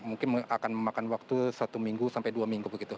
mungkin akan memakan waktu satu minggu sampai dua minggu begitu